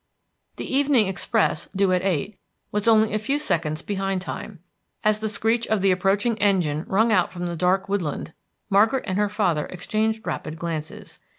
The evening express, due at eight, was only a few seconds behind time. As the screech of the approaching engine rung out from the dark wood land, Margaret and her father exchanged rapid glances.